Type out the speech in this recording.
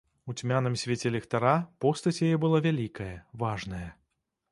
У цьмяным свеце ліхтара постаць яе была вялікая, важная.